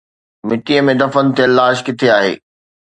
مٽيءَ ۾ دفن ٿيل لاش ڪٿي آهي؟